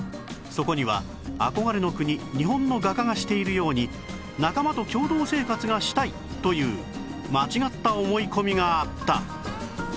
そこには憧れの国日本の画家がしているように仲間と共同生活がしたいという間違った思い込みがあった